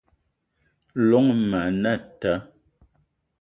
Llong ma anata